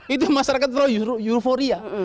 itu masyarakat terlalu euforia